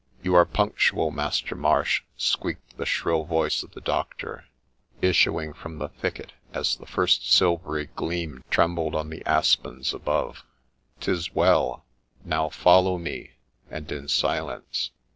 ' You are punctual, Master Marsh,' squeaked the shrill voice of the doctor, issuing from the thicket as the first silvery gleam trembled on the aspens above. ' 'Tis well : now follow me, and in silence.'